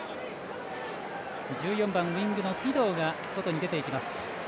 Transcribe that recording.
１４番、ウイングのフィドウが外に出ていきます。